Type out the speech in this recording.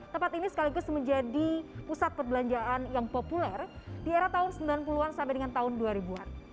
tempat ini sekaligus menjadi pusat perbelanjaan yang populer di era tahun sembilan puluh an sampai dengan tahun dua ribu an